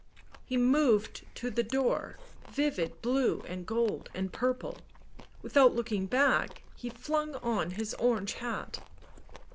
He moved to the door, vivid blue and gold and purple ; without looking back, he flung on his orange hat.